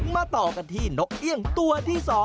มาต่อกันที่นกเอี่ยงตัวที่๒